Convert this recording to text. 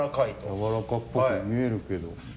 やわらかっぽく見えるけど。